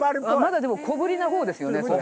まだでも小ぶりなほうですよねそれ。